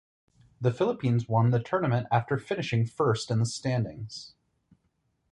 The Philippines won the tournament after finishing first in the standings.